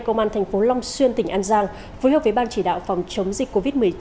công an tp long xuyên tỉnh an giang với hợp với ban chỉ đạo phòng chống dịch covid một mươi chín